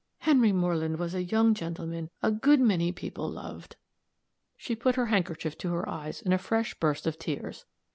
Henry Moreland was a young gentleman a good many people loved." She put her handkerchief to her eyes in a fresh burst of tears.